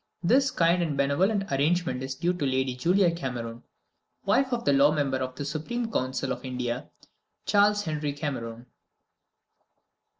This kind and benevolent arrangement is due to Lady Julia Cameron, wife of the law member of the Supreme Council of India, Charles Henry Cameron.